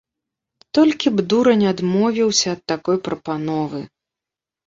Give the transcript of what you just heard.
Толькі б дурань адмовіўся ад такой прапановы.